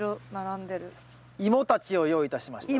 イモたちを用意いたしましたよ。